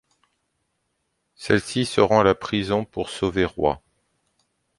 Celle-ci se rend à la prison pour sauver Roy.